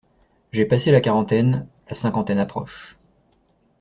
J'ai passé la quarantaine, la cinquantaine approche.